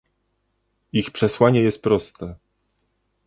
Ich przesłanie jest proste